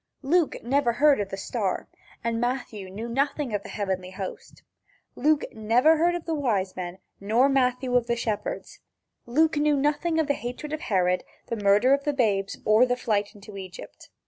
Luke never heard of the star, and Matthew knew nothing of the heavenly host. Luke never heard of the wise men, nor Matthew of the shepherds. Luke knew nothing of the hatred of Herod, the murder of the babes or the flight into Egypt.